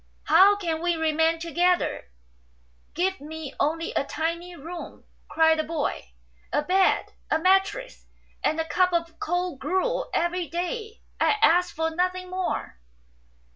How can we remain together ?"" Give me only a tiny room," cried the boy, "a bed, a mattress, and a cup of cold gruel everyday. I ask for nothing more."